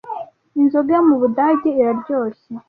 inzoga yo mubudage iraryoshye